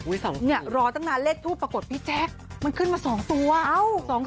เนี่ยรอตั้งนานเลขทูปปรากฏพี่แจ๊คมันขึ้นมา๒ตัวเอ้า